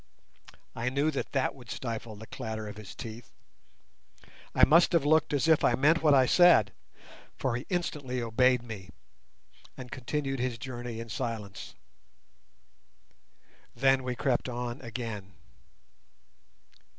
I knew that that would stifle the clatter of his teeth. I must have looked as if I meant what I said, for he instantly obeyed me, and continued his journey in silence. Then we crept on again.